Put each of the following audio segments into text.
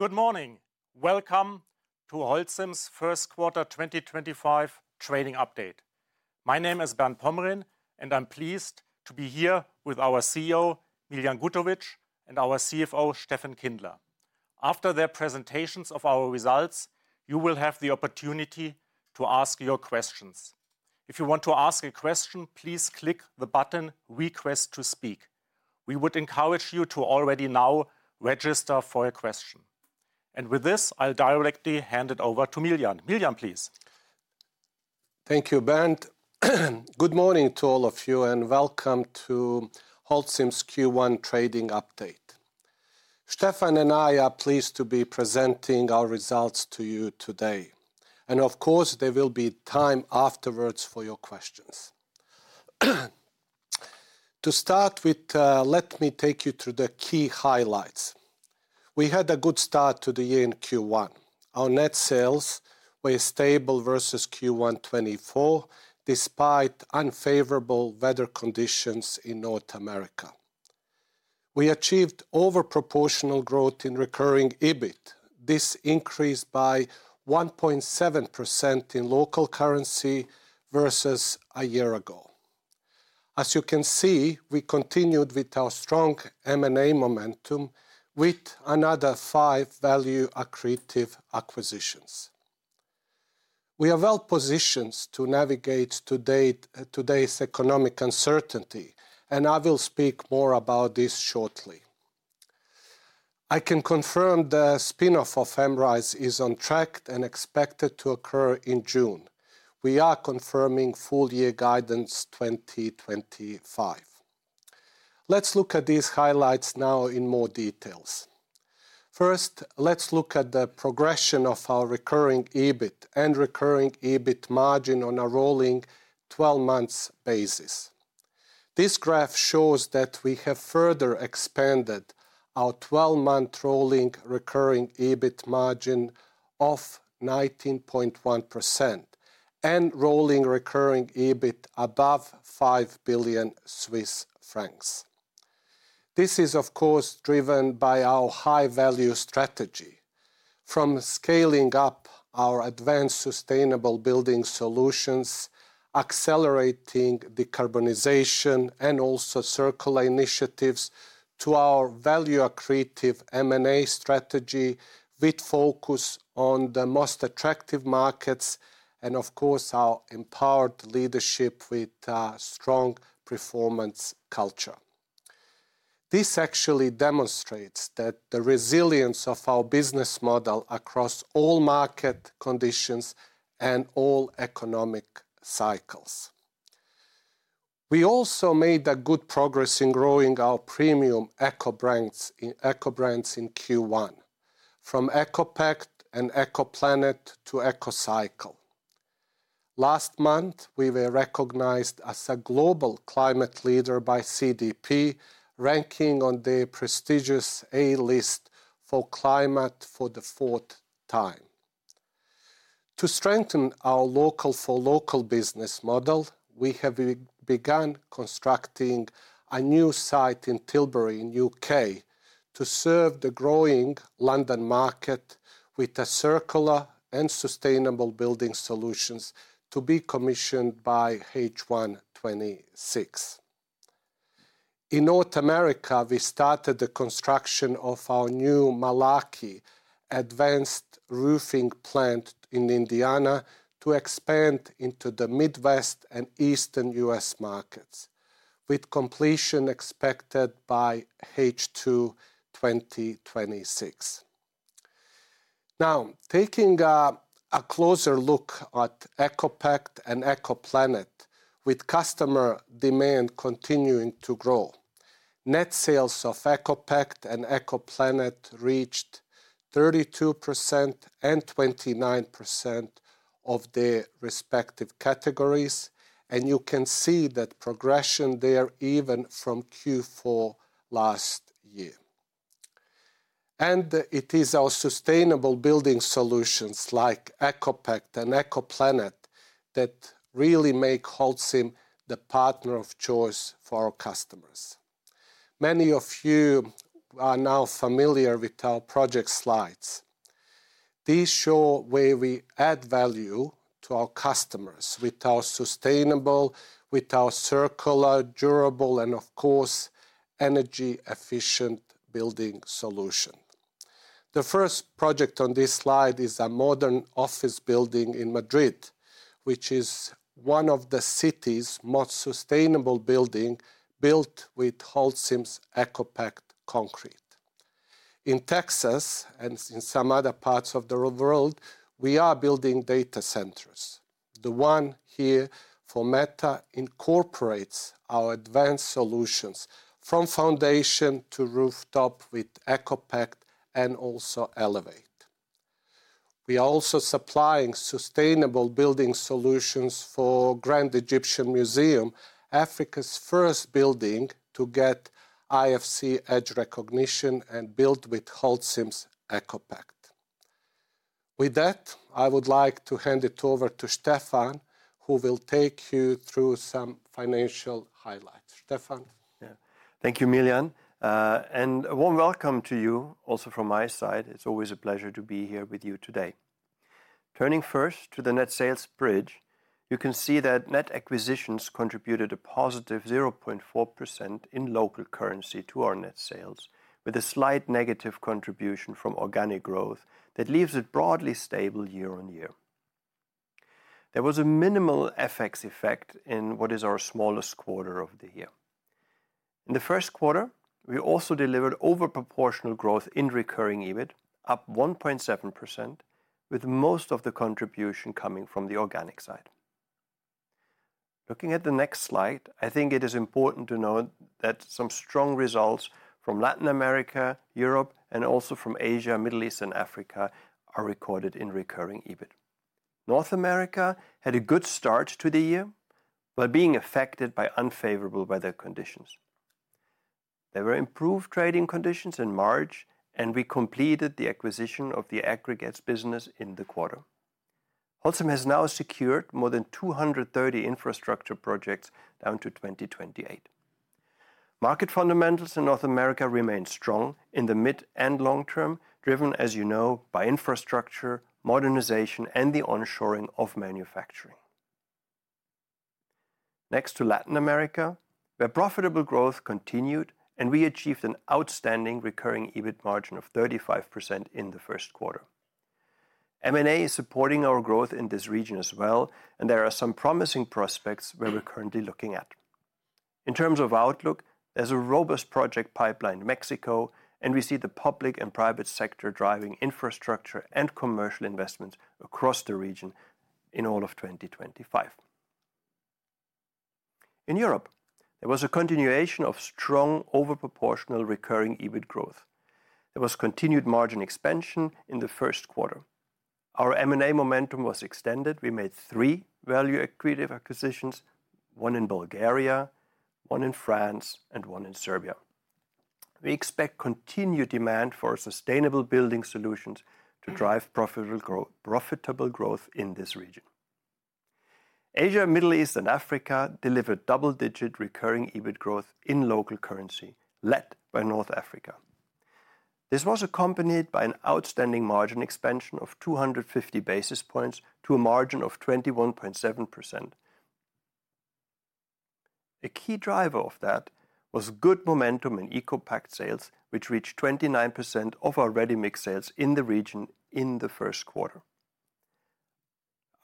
Good morning. Welcome to Holcim's First Quarter 2025 Trading Update. My name is Bernd Pomrehn, and I'm pleased to be here with our CEO, Miljan Gutovic, and our CFO, Steffen Kindler. After their presentations of our results, you will have the opportunity to ask your questions. If you want to ask a question, please click the button "Request to Speak." We would encourage you to already now register for a question. With this, I'll directly hand it over to Miljan. Miljan, please. Thank you, Bernd. Good morning to all of you, and welcome to Holcim's Q1 Trading Update. Steffen and I are pleased to be presenting our results to you today. Of course, there will be time afterwards for your questions. To start with, let me take you through the key highlights. We had a good start to the year in Q1. Our net sales were stable versus Q1 2024, despite unfavorable weather conditions in North America. We achieved overproportional growth in recurring EBIT. This increased by 1.7% in local currency versus a year ago. As you can see, we continued with our strong M&A momentum with another five value-accretive acquisitions. We are well positioned to navigate today's economic uncertainty, and I will speak more about this shortly. I can confirm the spinoff of Amris is on track and expected to occur in June. We are confirming full year guidance 2025. Let's look at these highlights now in more details. First, let's look at the progression of our recurring EBIT and recurring EBIT margin on a rolling 12-month basis. This graph shows that we have further expanded our 12-month rolling recurring EBIT margin of 19.1% and rolling recurring EBIT above 5 billion Swiss francs. This is, of course, driven by our high-value strategy from scaling up our advanced sustainable building solutions, accelerating decarbonization, and also circular initiatives to our value-accretive M&A strategy with focus on the most attractive markets and, of course, our empowered leadership with a strong performance culture. This actually demonstrates the resilience of our business model across all market conditions and all economic cycles. We also made good progress in growing our premium eco-brands in Q1, from ECOPact and ECOPlanet to ECOCycle. Last month, we were recognized as a global climate leader by CDP, ranking on the prestigious A-list for climate for the fourth time. To strengthen our local-for-local business model, we have begun constructing a new site in Tilbury, U.K., to serve the growing London market with circular and sustainable building solutions to be commissioned by H1 2026. In North America, we started the construction of our new Malarkey Advanced Roofing Plant in Indiana to expand into the Midwest and Eastern U.S. markets, with completion expected by H2 2026. Now, taking a closer look at EcoPact and EcoPlanet, with customer demand continuing to grow, net sales of EcoPact and EcoPlanet reached 32% and 29% of their respective categories, and you can see that progression there even from Q4 last year. It is our sustainable building solutions like EcoPact and EcoPlanet that really make Holcim the partner of choice for our customers. Many of you are now familiar with our project slides. These show where we add value to our customers with our sustainable, with our circular, durable, and, of course, energy-efficient building solution. The first project on this slide is a modern office building in Madrid, which is one of the city's most sustainable buildings built with Holcim's EcoPact concrete. In Texas and in some other parts of the world, we are building data centers. The one here for Meta incorporates our advanced solutions from foundation to rooftop with EcoPact and also Elevate. We are also supplying sustainable building solutions for Grand Egyptian Museum, Africa's first building to get IFC EDGE recognition and built with Holcim's EcoPact. With that, I would like to hand it over to Steffen, who will take you through some financial highlights. Steffen. Yeah, thank you, Miljan. A warm welcome to you also from my side. It's always a pleasure to be here with you today. Turning first to the net sales bridge, you can see that net acquisitions contributed a positive 0.4% in local currency to our net sales, with a slight negative contribution from organic growth that leaves it broadly stable year on year. There was a minimal FX effect in what is our smallest quarter of the year. In the first quarter, we also delivered overproportional growth in recurring EBIT, up 1.7%, with most of the contribution coming from the organic side. Looking at the next slide, I think it is important to note that some strong results from Latin America, Europe, and also from Asia, Middle East, and Africa are recorded in recurring EBIT. North America had a good start to the year while being affected by unfavorable weather conditions. There were improved trading conditions in March, and we completed the acquisition of the aggregates business in the quarter. Holcim has now secured more than 230 infrastructure projects down to 2028. Market fundamentals in North America remain strong in the mid and long term, driven, as you know, by infrastructure, modernization, and the onshoring of manufacturing. Next to Latin America, where profitable growth continued, and we achieved an outstanding recurring EBIT margin of 35% in the first quarter. M&A is supporting our growth in this region as well, and there are some promising prospects where we're currently looking at. In terms of outlook, there's a robust project pipeline in Mexico, and we see the public and private sector driving infrastructure and commercial investments across the region in all of 2025. In Europe, there was a continuation of strong overproportional recurring EBIT growth. There was continued margin expansion in the first quarter. Our M&A momentum was extended. We made three value-accretive acquisitions, one in Bulgaria, one in France, and one in Serbia. We expect continued demand for sustainable building solutions to drive profitable growth in this region. Asia, Middle East, and Africa delivered double-digit recurring EBIT growth in local currency, led by North Africa. This was accompanied by an outstanding margin expansion of 250 basis points to a margin of 21.7%. A key driver of that was good momentum in EcoPact sales, which reached 29% of our ready-mix sales in the region in the first quarter.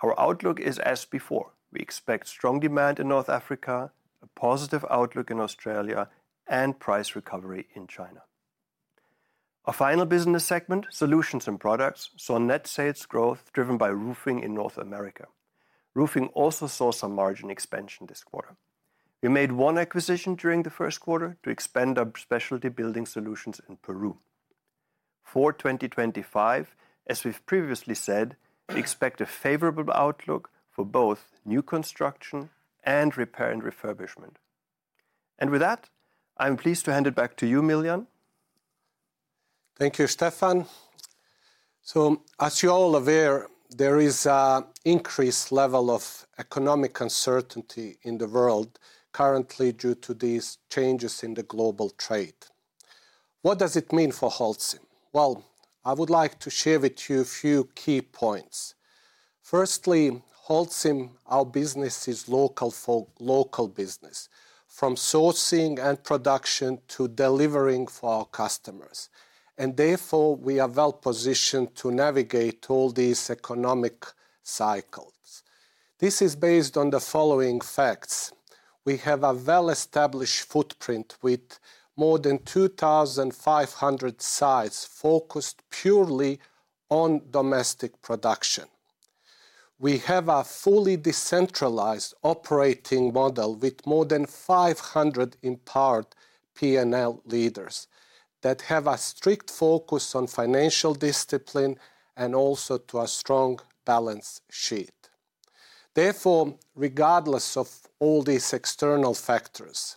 Our outlook is as before. We expect strong demand in North Africa, a positive outlook in Australia, and price recovery in China. Our final business segment, solutions and products, saw net sales growth driven by roofing in North America. Roofing also saw some margin expansion this quarter. We made one acquisition during the first quarter to expand our specialty building solutions in Peru. For 2025, as we've previously said, we expect a favorable outlook for both new construction and repair and refurbishment. With that, I'm pleased to hand it back to you, Miljan. Thank you, Steffen. As you're all aware, there is an increased level of economic uncertainty in the world currently due to these changes in the global trade. What does it mean for Holcim? I would like to share with you a few key points. Firstly, Holcim, our business is local business, from sourcing and production to delivering for our customers. Therefore, we are well positioned to navigate all these economic cycles. This is based on the following facts. We have a well-established footprint with more than 2,500 sites focused purely on domestic production. We have a fully decentralized operating model with more than 500 empowered P&L leaders that have a strict focus on financial discipline and also to a strong balance sheet. Therefore, regardless of all these external factors,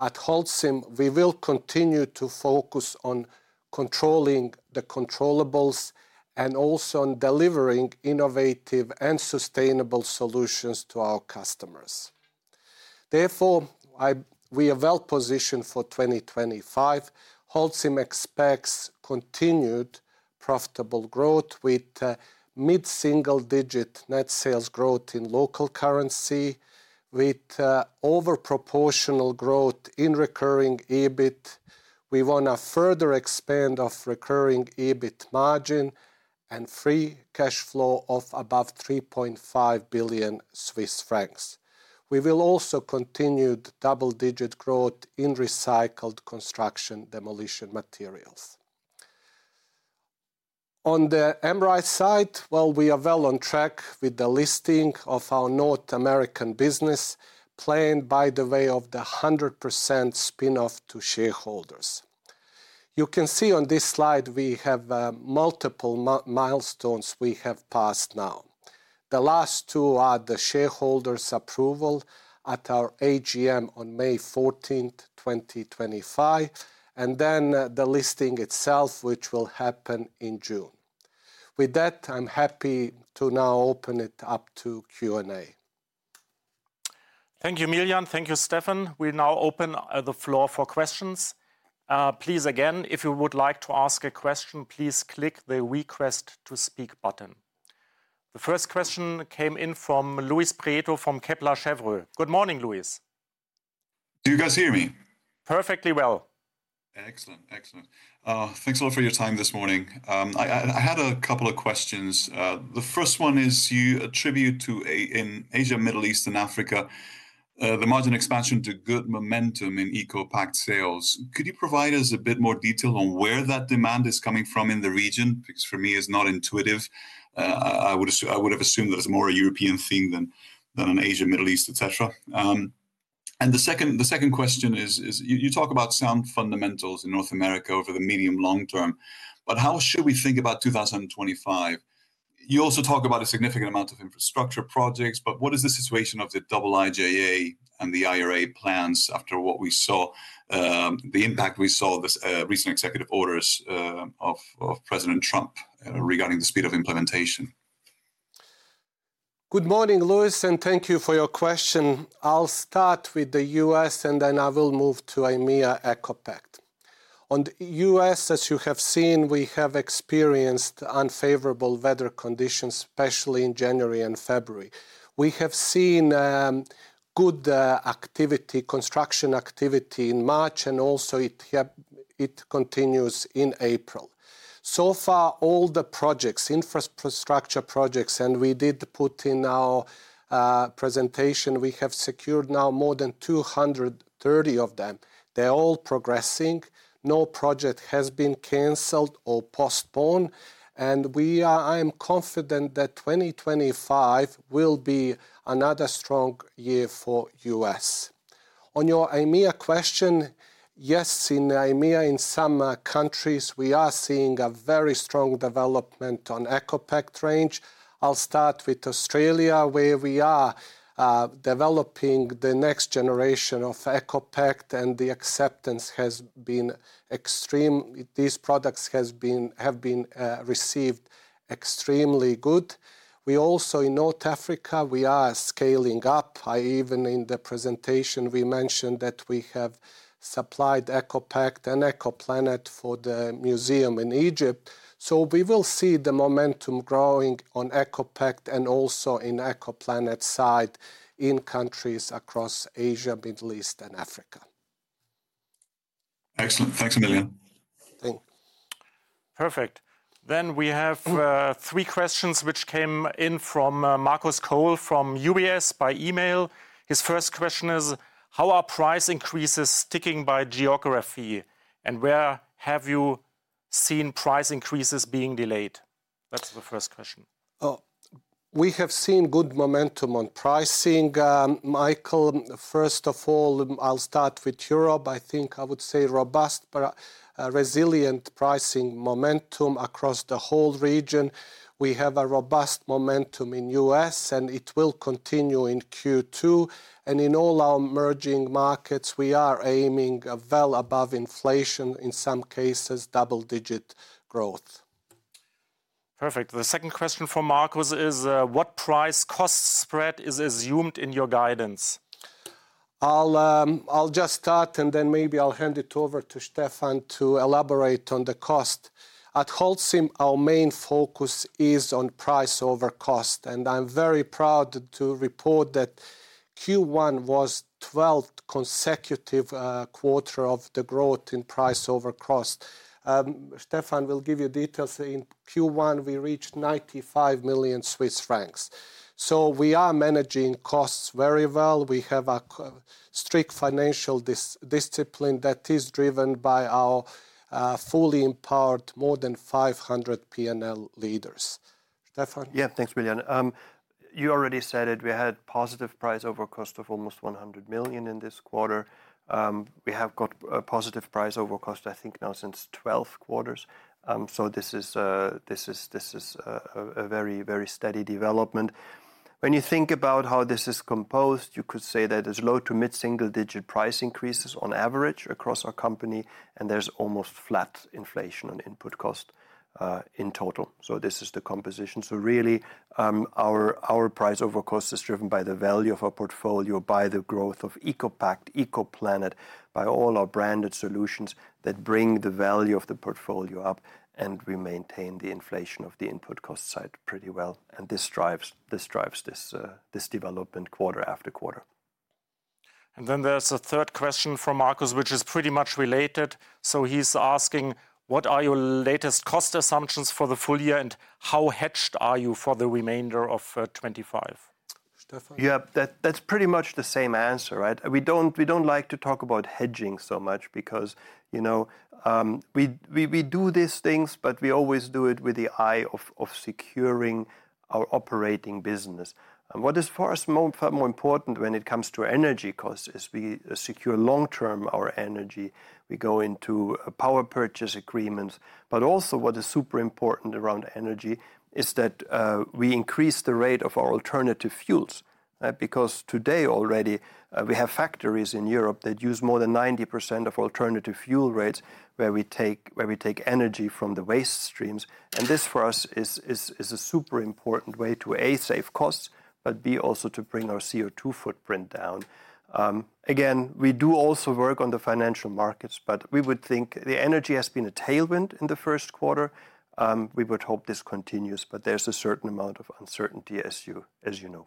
at Holcim, we will continue to focus on controlling the controllables, and also on delivering innovative and sustainable solutions to our customers. Therefore, we are well positioned for 2025. Holcim expects continued profitable growth with mid-single-digit net sales growth in local currency, with overproportional growth in recurring EBIT. We want to further expand our recurring EBIT margin and free cash flow of above 3.5 billion Swiss francs. We will also continue double-digit growth in recycled construction demolition materials. On the M&A side, we are well on track with the listing of our North American business, planned by the way of the 100% spinoff to shareholders. You can see on this slide we have multiple milestones we have passed now. The last two are the shareholders' approval at our AGM on May 14th, 2025, and then the listing itself, which will happen in June. With that, I'm happy to now open it up to Q&A. Thank you, Miljan. Thank you, Steffen. We will now open the floor for questions. Please, again, if you would like to ask a question, please click the Request to Speak button. The first question came in from Luis Prieto from Kepler Cheuvreux. Good morning, Luis. Do you guys hear me? Perfectly well. Excellent, excellent. Thanks a lot for your time this morning. I had a couple of questions. The first one is you attribute to, in Asia, Middle East, and Africa, the margin expansion to good momentum in EcoPact sales. Could you provide us a bit more detail on where that demand is coming from in the region? Because for me, it's not intuitive. I would have assumed that it's more a European thing than an Asia, Middle East, et cetera. The second question is, you talk about sound fundamentals in North America over the medium-long term, but how should we think about 2025? You also talk about a significant amount of infrastructure projects, but what is the situation of the IIJA and the IRA plans after what we saw, the impact we saw, the recent executive orders of President Trump regarding the speed of implementation? Good morning, Luis, and thank you for your question. I'll start with the U.S., and then I will move to EMEA EcoPact. On the U.S., as you have seen, we have experienced unfavorable weather conditions, especially in January and February. We have seen good construction activity in March, and also it continues in April. So far, all the projects, infrastructure projects, and we did put in our presentation, we have secured now more than 230 of them. They're all progressing. No project has been canceled or postponed, and I am confident that 2025 will be another strong year for the U.S. On your EMEA question, yes, in EMEA, in some countries, we are seeing a very strong development on EcoPact range. I'll start with Australia, where we are developing the next generation of EcoPact, and the acceptance has been extreme. These products have been received extremely good. We also, in North Africa, we are scaling up. Even in the presentation, we mentioned that we have supplied EcoPact and EcoPlanet for the museum in Egypt. We will see the momentum growing on EcoPact and also in EcoPlanet side in countries across Asia, Middle East, and Africa. Excellent. Thanks, Miljan. Thank you. Perfect. We have three questions which came in from Marcus Cole from UBS by email. His first question is, how are price increases sticking by geography, and where have you seen price increases being delayed? That's the first question. We have seen good momentum on pricing. Michael, first of all, I'll start with Europe. I think I would say robust, but resilient pricing momentum across the whole region. We have a robust momentum in the U.S., and it will continue in Q2. In all our emerging markets, we are aiming well above inflation, in some cases, double-digit growth. Perfect. The second question for Marcus is, what price-cost spread is assumed in your guidance? I'll just start, and then maybe I'll hand it over to Steffen to elaborate on the cost. At Holcim, our main focus is on price over cost, and I'm very proud to report that Q1 was the 12th consecutive quarter of the growth in price over cost. Steffen will give you details. In Q1, we reached 95 million Swiss francs. So we are managing costs very well. We have a strict financial discipline that is driven by our fully empowered more than 500 P&L leaders. Steffen. Yeah, thanks, Miljan. You already said it. We had a positive price over cost of almost $100 million in this quarter. We have got a positive price over cost, I think, now since 12 quarters. This is a very, very steady development. When you think about how this is composed, you could say that there are low to mid-single-digit price increases on average across our company, and there is almost flat inflation on input cost in total. This is the composition. Really, our price over cost is driven by the value of our portfolio, by the growth of EcoPact, EcoPlanet, by all our branded solutions that bring the value of the portfolio up, and we maintain the inflation of the input cost side pretty well. This drives this development quarter after quarter. There is a third question from Marcus, which is pretty much related. He is asking, what are your latest cost assumptions for the full year, and how hedged are you for the remainder of 2025? Yeah, that's pretty much the same answer, right? We don't like to talk about hedging so much because, you know, we do these things, but we always do it with the eye of securing our operating business. What is far more important when it comes to energy costs is we secure long-term our energy. We go into power purchase agreements. Also, what is super important around energy is that we increase the rate of our alternative fuels. Because today, already, we have factories in Europe that use more than 90% of alternative fuel rates, where we take energy from the waste streams. This, for us, is a super important way to, A, save costs, but, B, also to bring our CO2 footprint down. Again, we do also work on the financial markets, but we would think the energy has been a tailwind in the first quarter. We would hope this continues, but there's a certain amount of uncertainty, as you know.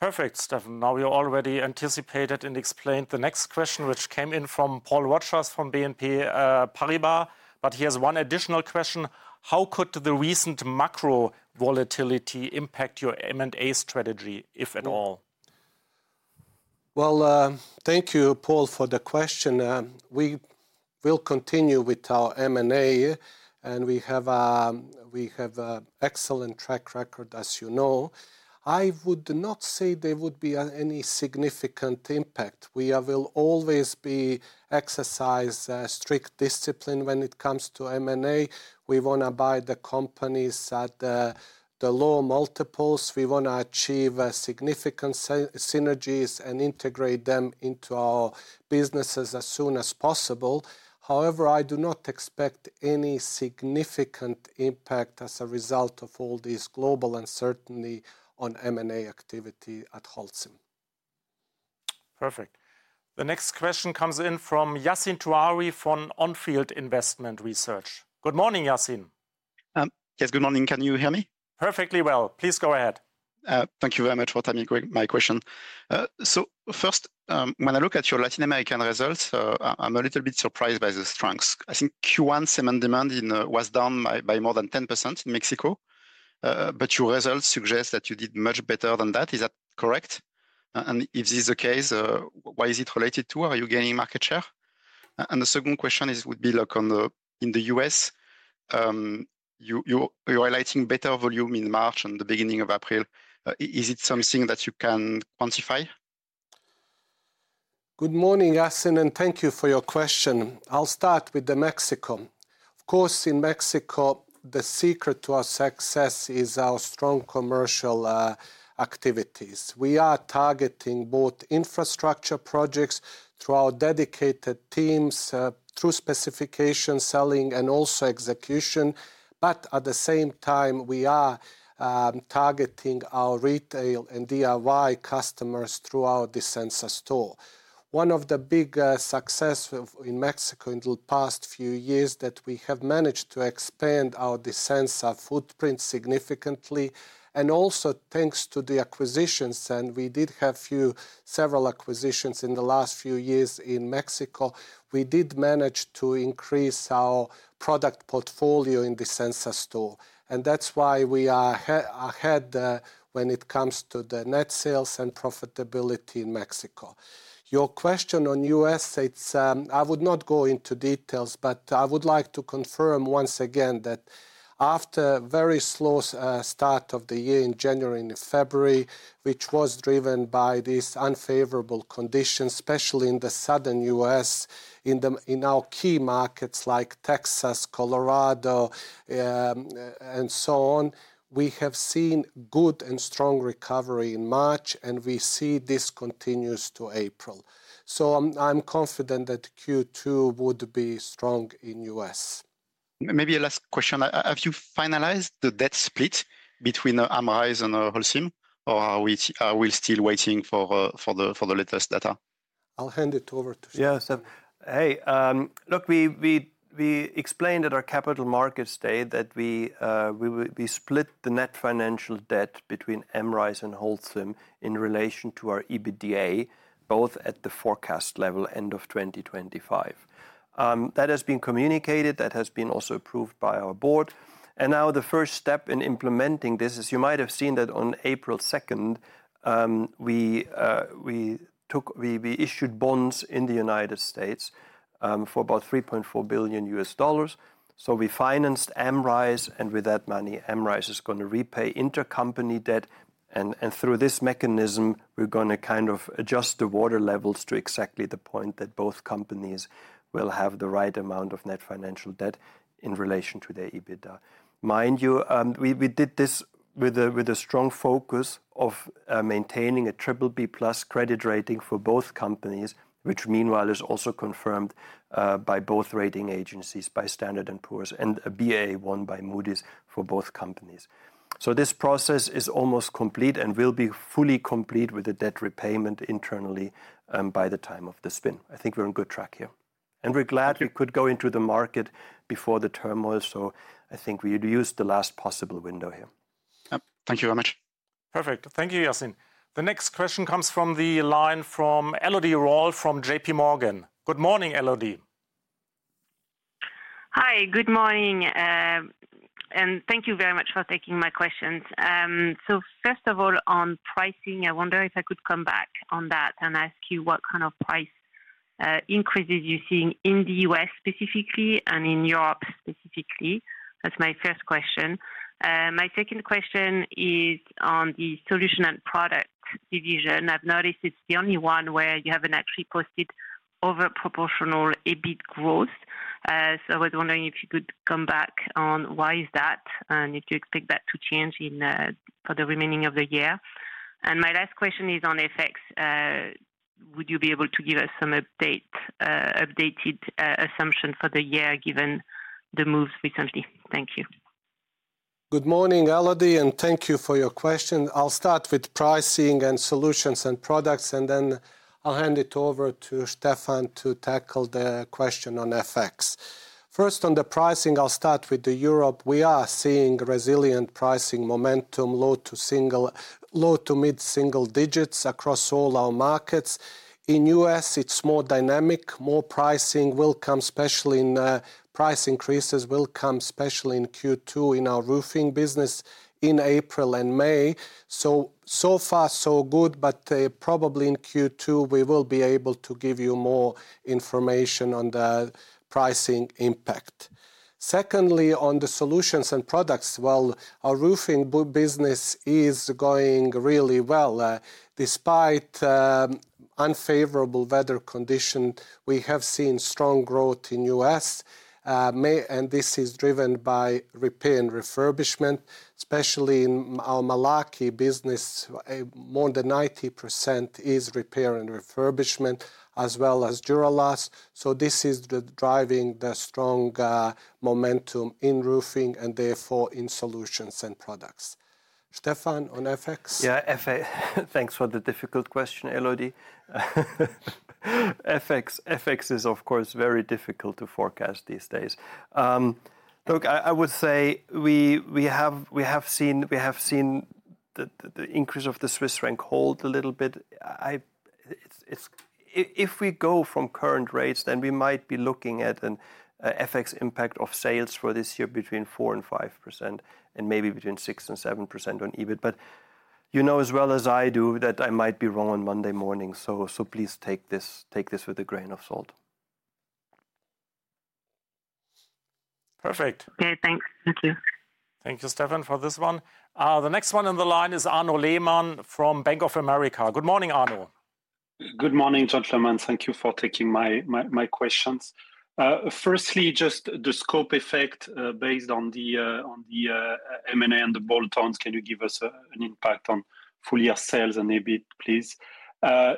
Perfect, Steffen. Now, we already anticipated and explained the next question, which came in from Paul Rogers from BNP Paribas. He has one additional question. How could the recent macro volatility impact your M&A strategy, if at all? Thank you, Paul, for the question. We will continue with our M&A, and we have an excellent track record, as you know. I would not say there would be any significant impact. We will always exercise strict discipline when it comes to M&A. We want to buy the companies at the low multiples. We want to achieve significant synergies and integrate them into our businesses as soon as possible. However, I do not expect any significant impact as a result of all this global uncertainty on M&A activity at Holcim. Perfect. The next question comes in from Yassine Touahri from On Field Investment Research. Good morning, Yassine. Yes, good morning. Can you hear me? Perfectly well. Please go ahead. Thank you very much for taking my question. First, when I look at your Latin American results, I'm a little bit surprised by the strength. I think Q1 cement demand was down by more than 10% in Mexico, but your results suggest that you did much better than that. Is that correct? If this is the case, what is it related to? Are you gaining market share? The second question would be in the US, you're highlighting better volume in March and the beginning of April. Is it something that you can quantify? Good morning, Yassine, and thank you for your question. I'll start with Mexico. Of course, in Mexico, the secret to our success is our strong commercial activities. We are targeting both infrastructure projects through our dedicated teams, through specification selling and also execution. At the same time, we are targeting our retail and DIY customers through our Disensa stores. One of the big successes in Mexico in the past few years is that we have managed to expand our Disensa footprint significantly. Also, thanks to the acquisitions, and we did have several acquisitions in the last few years in Mexico, we did manage to increase our product portfolio in Disensa stores. That is why we are ahead when it comes to the net sales and profitability in Mexico. Your question on the U.S., I would not go into details, but I would like to confirm once again that after a very slow start of the year in January and February, which was driven by these unfavorable conditions, especially in the southern U.S., in our key markets like Texas, Colorado, and so on, we have seen good and strong recovery in March, and we see this continues to April. I am confident that Q2 would be strong in the U.S. Maybe a last question. Have you finalized the debt split between Amris and Holcim, or are we still waiting for the latest data? I'll hand it over to Steffen. Yes. Hey, look, we explained at our capital markets day that we split the net financial debt between Amris and Holcim in relation to our EBITDA, both at the forecast level end of 2025. That has been communicated. That has been also approved by our board. Now the first step in implementing this is, you might have seen that on April 2, we issued bonds in the United States for about $3.4 billion. We financed Amris, and with that money, Amris is going to repay intercompany debt. Through this mechanism, we're going to kind of adjust the water levels to exactly the point that both companies will have the right amount of net financial debt in relation to their EBITDA. Mind you, we did this with a strong focus of maintaining a BBB+ credit rating for both companies, which meanwhile is also confirmed by both rating agencies, by Standard and Poor's, and a BAA1 by Moody's for both companies. This process is almost complete and will be fully complete with the debt repayment internally by the time of the spin. I think we're on a good track here. We're glad we could go into the market before the turmoil. I think we used the last possible window here. Thank you very much. Perfect. Thank you, Yassine. The next question comes from the line from Elodie Rall from JPMorgan. Good morning, Elodie. Hi, good morning. Thank you very much for taking my questions. First of all, on pricing, I wonder if I could come back on that and ask you what kind of price increases you're seeing in the US specifically and in Europe specifically. That's my first question. My second question is on the Solutions and Products division. I've noticed it's the only one where you haven't actually posted overproportional EBIT growth. I was wondering if you could come back on why is that and if you expect that to change for the remaining of the year. My last question is on FX. Would you be able to give us some updated assumptions for the year given the moves recently? Thank you. Good morning, Elodie, and thank you for your question. I'll start with pricing and solutions and products, and then I'll hand it over to Steffen to tackle the question on effects. First, on the pricing, I'll start with Europe. We are seeing resilient pricing momentum, low to mid-single digits across all our markets. In the U.S., it's more dynamic. More pricing will come, especially in price increases will come especially in Q2 in our roofing business in April and May. So far, so good, but probably in Q2, we will be able to give you more information on the pricing impact. Secondly, on the solutions and products, well, our roofing business is going really well. Despite unfavorable weather conditions, we have seen strong growth in the U.S., and this is driven by repair and refurbishment, especially in our Malarkey business. More than 90% is repair and refurbishment, as well as Duro-Last. This is driving the strong momentum in roofing and therefore in solutions and products. Steffen, on effects? Yeah, thanks for the difficult question, Elodie. FX is, of course, very difficult to forecast these days. Look, I would say we have seen the increase of the Swiss franc hold a little bit. If we go from current rates, then we might be looking at an FX impact of sales for this year between 4% and 5% and maybe between 6% and 7% on EBIT. You know as well as I do that I might be wrong on Monday morning, so please take this with a grain of salt. Perfect. Okay, thanks. Thank you. Thank you, Steffen, for this one. The next one on the line is Arnaud Lehmann from Bank of America. Good morning, Arnaud. Good morning, Dr. Lehmann. Thank you for taking my questions. Firstly, just the scope effect based on the M&A and the bolt-ons, can you give us an impact on full-year sales and EBIT, please?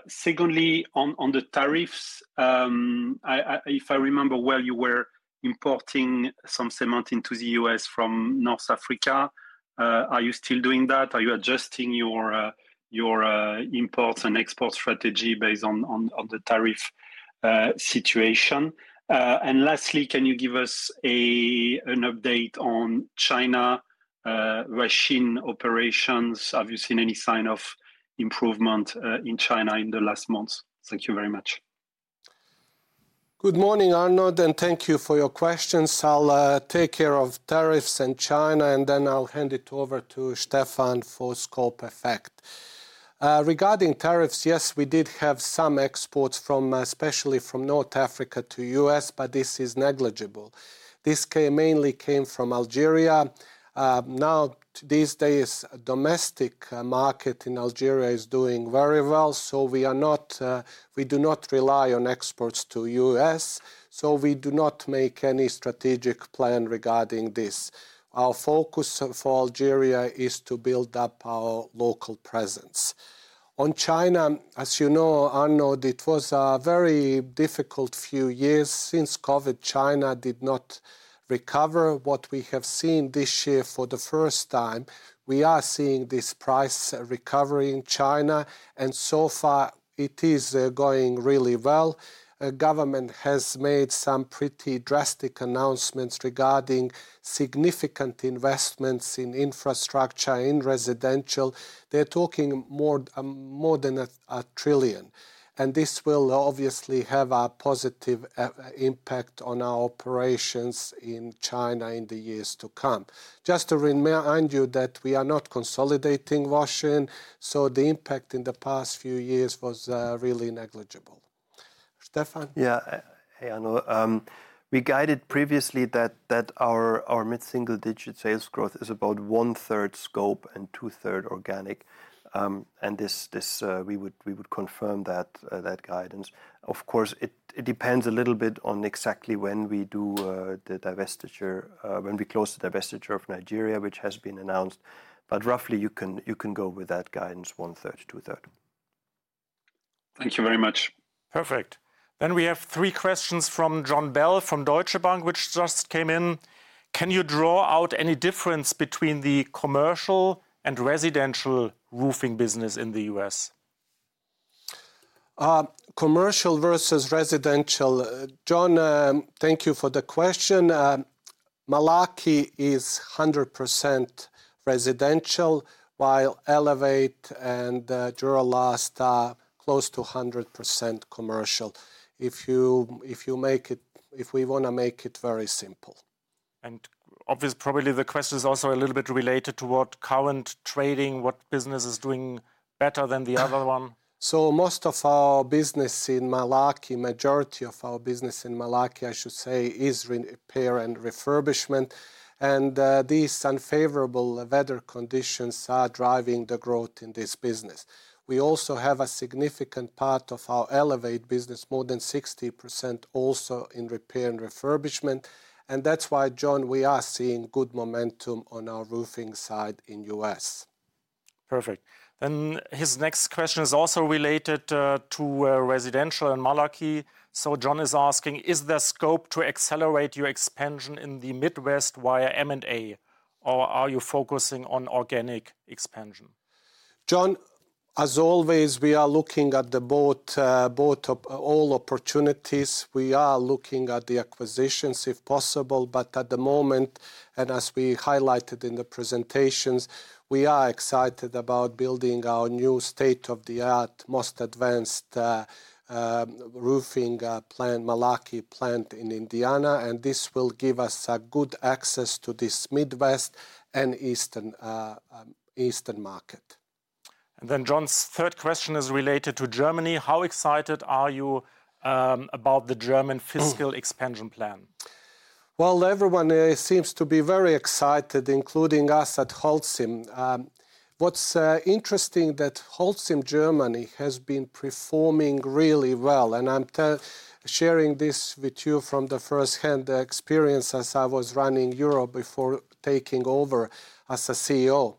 Secondly, on the tariffs, if I remember well, you were importing some cement into the U.S. from North Africa. Are you still doing that? Are you adjusting your imports and export strategy based on the tariff situation? Lastly, can you give us an update on China regime operations? Have you seen any sign of improvement in China in the last months? Thank you very much. Good morning, Arnaud, and thank you for your questions. I'll take care of tariffs and China, and then I'll hand it over to Steffen for scope effect. Regarding tariffs, yes, we did have some exports from, especially from North Africa to the U.S., but this is negligible. This mainly came from Algeria. Now, these days, the domestic market in Algeria is doing very well, so we do not rely on exports to the U.S. We do not make any strategic plan regarding this. Our focus for Algeria is to build up our local presence. On China, as you know, Arnaud, it was a very difficult few years. Since COVID, China did not recover. What we have seen this year for the first time, we are seeing this price recovery in China. It is going really well. The government has made some pretty drastic announcements regarding significant investments in infrastructure, in residential. They are talking more than $1 trillion. This will obviously have a positive impact on our operations in China in the years to come. Just to remind you that we are not consolidating Huaxin, so the impact in the past few years was really negligible. Steffen? Yeah, hey, Arnaud. We guided previously that our mid-single digit sales growth is about one-third scope and two-thirds organic. We would confirm that guidance. Of course, it depends a little bit on exactly when we do the divestiture, when we close the divestiture of Nigeria, which has been announced. Roughly, you can go with that guidance, one-third, two-third. Thank you very much. Perfect. We have three questions from Jon Bell from Deutsche Bank, which just came in. Can you draw out any difference between the commercial and residential roofing business in the US? Commercial versus residential. John, thank you for the question. Malarkey is 100% residential, while Elevate and Duralast are close to 100% commercial, if we want to make it very simple. Obviously, probably the question is also a little bit related to what current trading, what business is doing better than the other one? The majority of our business inMalarkey, I should say, is repair and refurbishment. These unfavorable weather conditions are driving the growth in this business. We also have a significant part of our Elevate business, more than 60%, also in repair and refurbishment. That is why, John, we are seeing good momentum on our roofing side in the U.S. Perfect. His next question is also related to residential and Malarkey. John is asking, is there scope to accelerate your expansion in the Midwest via M&A, or are you focusing on organic expansion? John, as always, we are looking at both all opportunities. We are looking at the acquisitions, if possible. At the moment, as we highlighted in the presentations, we are excited about building our new state-of-the-art, most advanced roofing plant, Malarkey plant in Indiana. This will give us good access to this Midwest and Eastern market. John's third question is related to Germany. How excited are you about the German fiscal expansion plan? Everyone seems to be very excited, including us at Holcim. What's interesting is that Holcim Germany has been performing really well. I'm sharing this with you from first-hand experience as I was running Europe before taking over as CEO.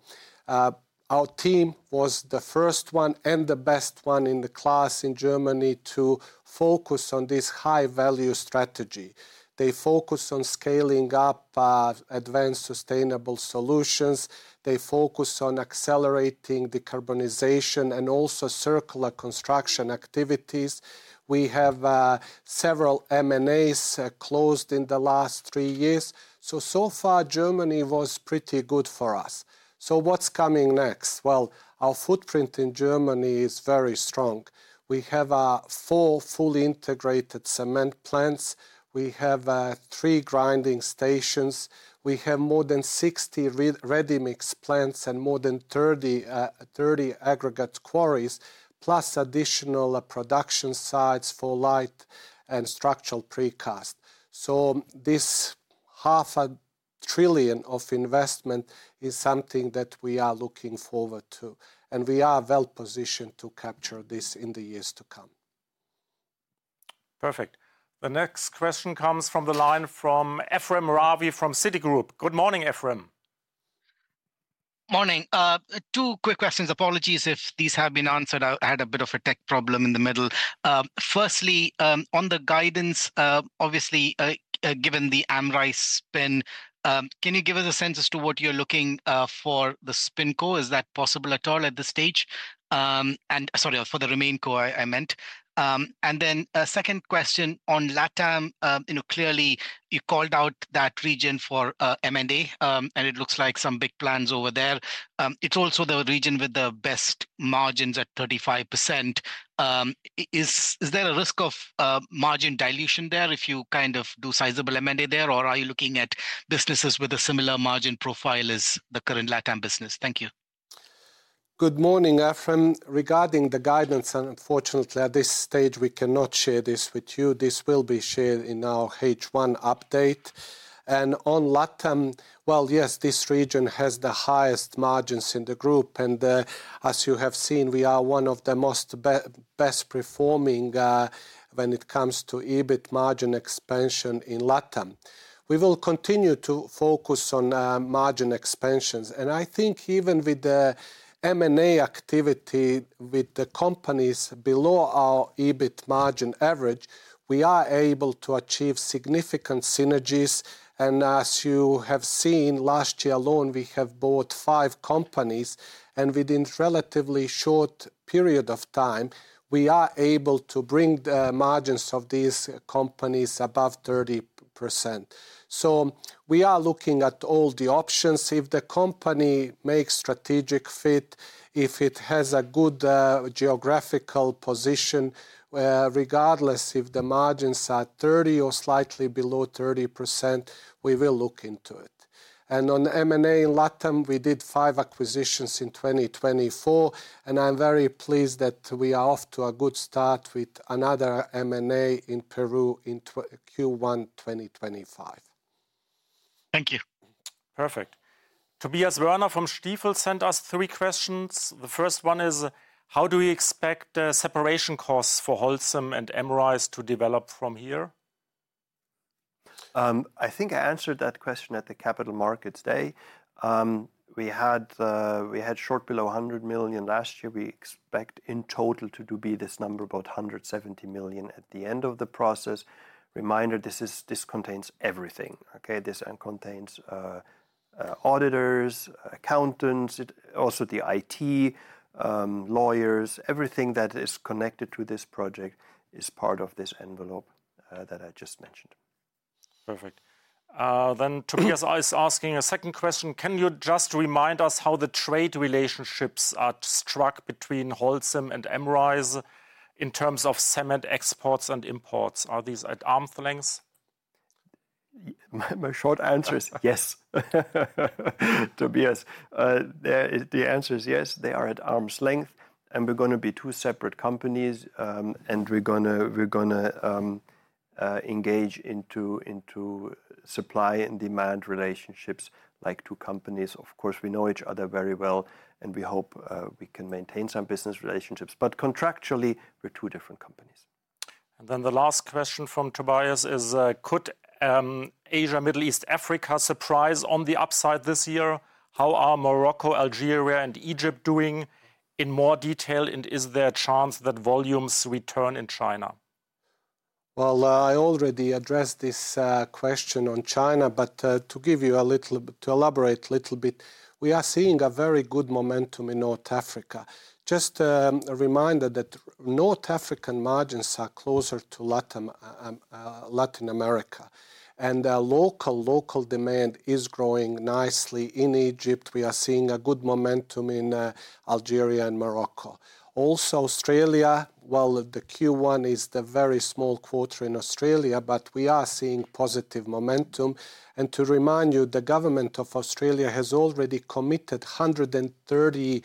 Our team was the first one and the best one in the class in Germany to focus on this high-value strategy. They focus on scaling up advanced sustainable solutions. They focus on accelerating decarbonization and also circular construction activities. We have several M&As closed in the last three years. So far, Germany was pretty good for us. What's coming next? Our footprint in Germany is very strong. We have four fully integrated cement plants. We have three grinding stations. We have more than 60 ready-mix plants and more than 30 aggregate quarries, plus additional production sites for light and structural precast. This half a trillion dollars of investment is something that we are looking forward to. We are well positioned to capture this in the years to come. Perfect. The next question comes from the line from Ephrem Ravi from Citigroup. Good morning, Ephrem. Morning. Two quick questions. Apologies if these have been answered. I had a bit of a tech problem in the middle. Firstly, on the guidance, obviously, given the Amris spin, can you give us a sense as to what you're looking for the spin core? Is that possible at all at this stage? Sorry, for the remaining core, I meant. A second question on LATAM. Clearly, you called out that region for M&A, and it looks like some big plans over there. It's also the region with the best margins at 35%. Is there a risk of margin dilution there if you kind of do sizable M&A there, or are you looking at businesses with a similar margin profile as the current LATAM business? Thank you. Good morning, Ephrem. Regarding the guidance, unfortunately, at this stage, we cannot share this with you. This will be shared in our H1 update. On LATAM, yes, this region has the highest margins in the group. As you have seen, we are one of the best performing when it comes to EBIT margin expansion in LATAM. We will continue to focus on margin expansions. I think even with the M&A activity with the companies below our EBIT margin average, we are able to achieve significant synergies. As you have seen, last year alone, we have bought five companies. Within a relatively short period of time, we are able to bring the margins of these companies above 30%. We are looking at all the options. If the company makes strategic fit, if it has a good geographical position, regardless if the margins are 30% or slightly below 30%, we will look into it. On M&A in Latin America, we did five acquisitions in 2024. I am very pleased that we are off to a good start with another M&A in Peru in Q1 2025. Thank you. Perfect. Tobias Woerner from Stifel sent us three questions. The first one is, how do we expect the separation costs for Holcim and Amris to develop from here? I think I answered that question at the Capital Markets Day. We had short below $100 million last year. We expect in total to be this number, about $170 million at the end of the process. Reminder, this contains everything. This contains auditors, accountants, also the IT, lawyers. Everything that is connected to this project is part of this envelope that I just mentioned. Perfect. Tobias is asking a second question. Can you just remind us how the trade relationships are struck between Holcim and Amris in terms of cement exports and imports? Are these at arm's length? My short answer is yes, Tobias. The answer is yes. They are at arm's length. We are going to be two separate companies. We are going to engage into supply and demand relationships like two companies. Of course, we know each other very well. We hope we can maintain some business relationships. Contractually, we are two different companies. The last question from Tobias is, could Asia, Middle East, Africa surprise on the upside this year? How are Morocco, Algeria, and Egypt doing in more detail? Is there a chance that volumes return in China? I already addressed this question on China. To give you a little, to elaborate a little bit, we are seeing a very good momentum in North Africa. Just a reminder that North African margins are closer to Latin America. Local demand is growing nicely in Egypt. We are seeing a good momentum in Algeria and Morocco. Also, Australia, the Q1 is the very small quarter in Australia. We are seeing positive momentum. To remind you, the government of Australia has already committed 130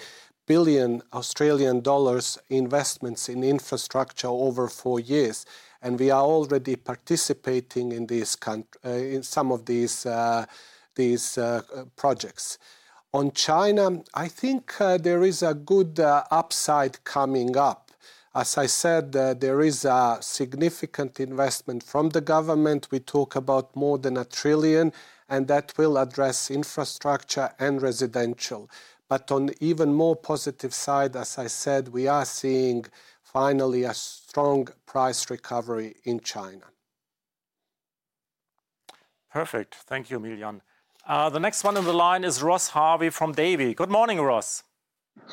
billion Australian dollars in investments in infrastructure over four years. We are already participating in some of these projects. On China, I think there is a good upside coming up. As I said, there is a significant investment from the government. We talk about more than a trillion. That will address infrastructure and residential. On the even more positive side, as I said, we are seeing finally a strong price recovery in China. Perfect. Thank you, Miljan. The next one on the line is Ross Harvey from Davy. Good morning, Ross.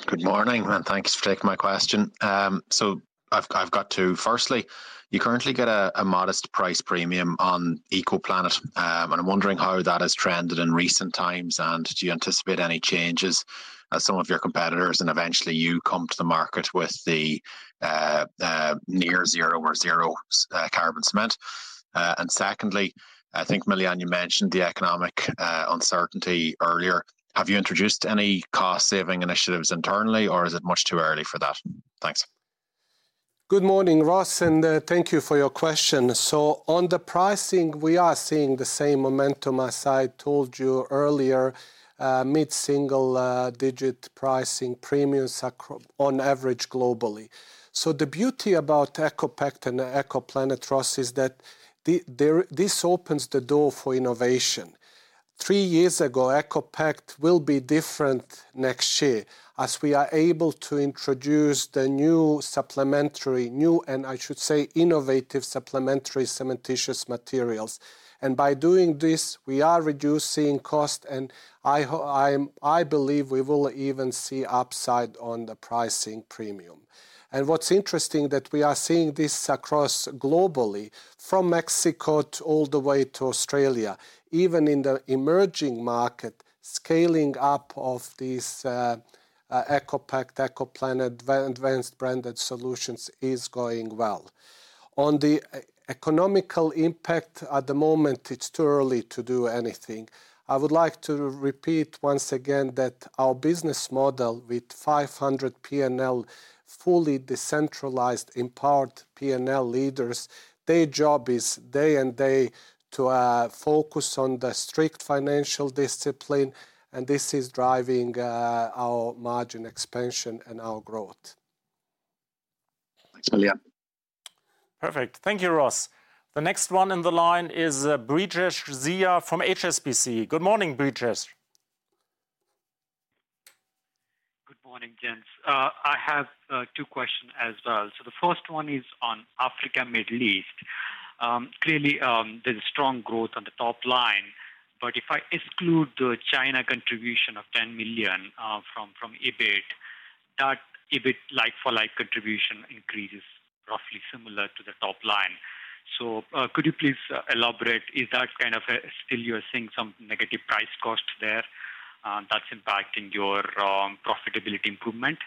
Good morning. Thanks for taking my question. I've got two. Firstly, you currently get a modest price premium on EcoPlanet. I'm wondering how that has trended in recent times. Do you anticipate any changes as some of your competitors and eventually you come to the market with the near-zero or zero-carbon cement? Secondly, I think, Miljan, you mentioned the economic uncertainty earlier. Have you introduced any cost-saving initiatives internally, or is it much too early for that? Thanks. Good morning, Ross. Thank you for your question. On the pricing, we are seeing the same momentum as I told you earlier, mid-single-digit pricing premiums on average globally. The beauty about EcoPact and EcoPlanet, Ross, is that this opens the door for innovation. Three years ago, EcoPact will be different next year as we are able to introduce the new supplementary, new, and I should say innovative supplementary cementitious materials. By doing this, we are reducing cost. I believe we will even see upside on the pricing premium. What's interesting is that we are seeing this across globally, from Mexico all the way to Australia. Even in the emerging market, scaling up of these EcoPact, EcoPlanet, advanced branded solutions is going well. On the economical impact at the moment, it's too early to do anything. I would like to repeat once again that our business model with 500 P&L, fully decentralized, empowered P&L leaders, their job is day in, day out to focus on the strict financial discipline. This is driving our margin expansion and our growth. Perfect. Thank you, Ross. The next one on the line is Brijesh Siya from HSBC. Good morning, Brijesh. Good morning, Jens. I have two questions as well. The first one is on Africa, Middle East. Clearly, there's a strong growth on the top line. If I exclude the China contribution of $10 million from EBIT, that EBIT like-for-like contribution increases roughly similar to the top line. Could you please elaborate? Is that kind of still you're seeing some negative price cost there that's impacting your profitability improvement?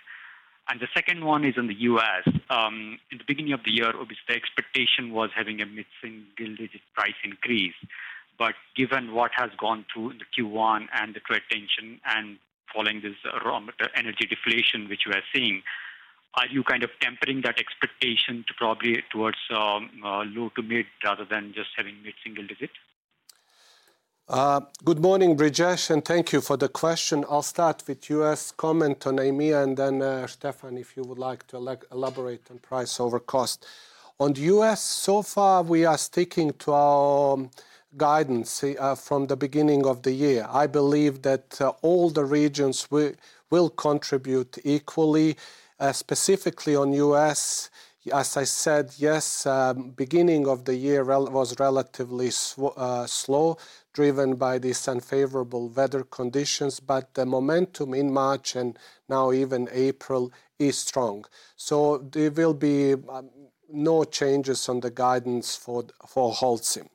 The second one is on the U.S. In the beginning of the year, the expectation was having a mid-single-digit price increase. Given what has gone through in Q1 and the trade tension and following this energy deflation, which we are seeing, are you kind of tempering that expectation to probably towards low to mid rather than just having mid-single digit? Good morning, Brijesh. Thank you for the question. I'll start with U.S. comment on Amris and then Steffen, if you would like to elaborate on price over cost. On the U.S., so far, we are sticking to our guidance from the beginning of the year. I believe that all the regions will contribute equally. Specifically on U.S., as I said, yes, beginning of the year was relatively slow, driven by these unfavorable weather conditions. The momentum in March and now even April is strong. There will be no changes on the guidance for Holcim.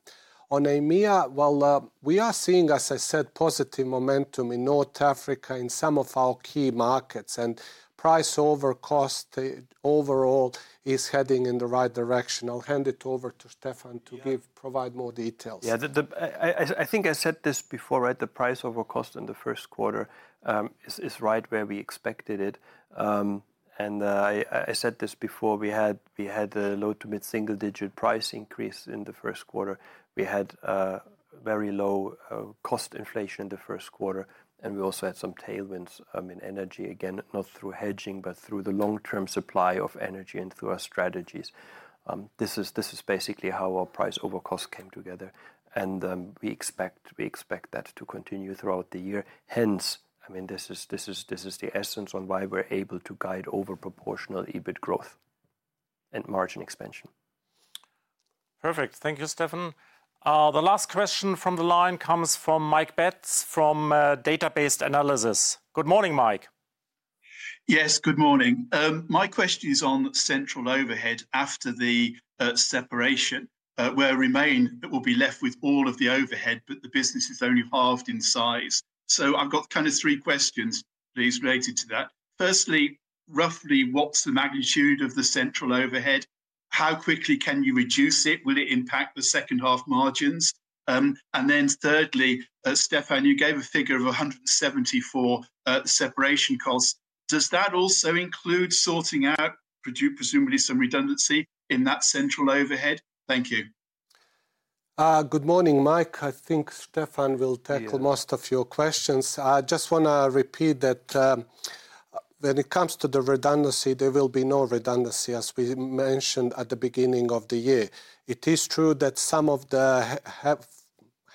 On Amris, we are seeing, as I said, positive momentum in North Africa in some of our key markets. Price over cost overall is heading in the right direction. I'll hand it over to Steffen to provide more details. Yeah, I think I said this before, right? The price over cost in the first quarter is right where we expected it. I said this before. We had a low to mid-single-digit price increase in the first quarter. We had very low cost inflation in the first quarter. We also had some tailwinds in energy, again, not through hedging, but through the long-term supply of energy and through our strategies. This is basically how our price over cost came together. We expect that to continue throughout the year. Hence, I mean, this is the essence on why we're able to guide overproportional EBIT growth and margin expansion. Perfect. Thank you, Steffen. The last question from the line comes from Mike Betts from DataBest Analysis. Good morning, Mike. Yes, good morning. My question is on central overhead after the separation. Where remain, it will be left with all of the overhead, but the business is only halved in size. So I have got kind of three questions, please, related to that. Firstly, roughly, what is the magnitude of the central overhead? How quickly can you reduce it? Will it impact the second-half margins? Thirdly, Steffen, you gave a figure of $174 million separation costs. Does that also include sorting out, presumably, some redundancy in that central overhead? Thank you. Good morning, Mike. I think Steffen will tackle most of your questions. I just want to repeat that when it comes to the redundancy, there will be no redundancy, as we mentioned at the beginning of the year. It is true that some of the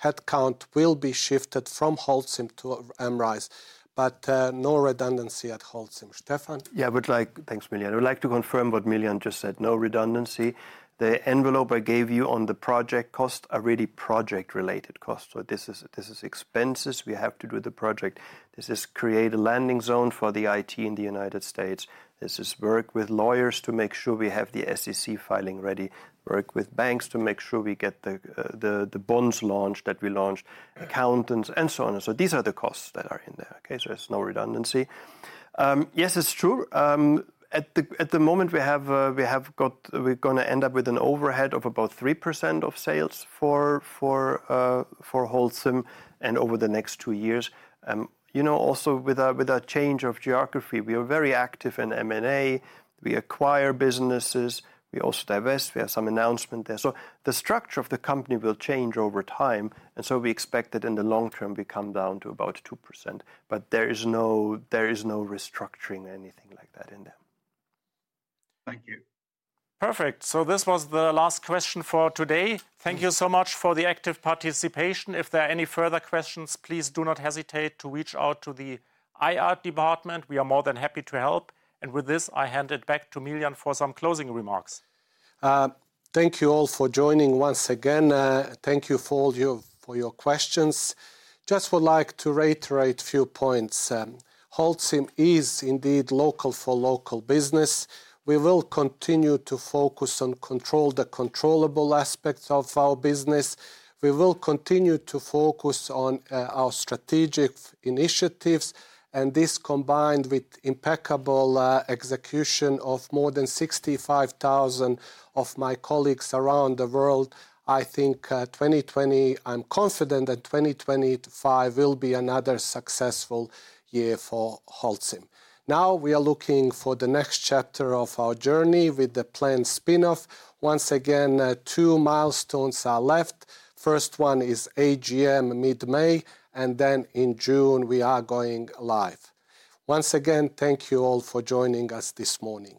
headcount will be shifted from Holcim to Amris, but no redundancy at Holcim. Steffen? Yeah, I would like, thanks, Miljan. I would like to confirm what Miljan just said. No redundancy. The envelope I gave you on the project costs are really project-related costs. This is expenses we have to do with the project. This is create a landing zone for the IT in the United States. This is work with lawyers to make sure we have the SEC filing ready, work with banks to make sure we get the bonds launched that we launched, accountants, and so on. These are the costs that are in there. Okay? There is no redundancy. Yes, it's true. At the moment, we have got we're going to end up with an overhead of about 3% of sales for Holcim and over the next two years. You know, also with a change of geography, we are very active in M&A. We acquire businesses. We also divest. We have some announcement there. The structure of the company will change over time. We expect that in the long term, we come down to about 2%. There is no restructuring or anything like that in there. Thank you. Perfect. This was the last question for today. Thank you so much for the active participation. If there are any further questions, please do not hesitate to reach out to the IR department. We are more than happy to help. With this, I hand it back to Miljan for some closing remarks. Thank you all for joining once again. Thank you for all your questions. Just would like to reiterate a few points. Holcim is indeed local for local business. We will continue to focus on control the controllable aspects of our business. We will continue to focus on our strategic initiatives. This combined with impeccable execution of more than 65,000 of my colleagues around the world, I think 2025 will be another successful year for Holcim. Now we are looking for the next chapter of our journey with the planned spinoff. Once again, two milestones are left. First one is AGM mid-May. Then in June, we are going live. Once again, thank you all for joining us this morning.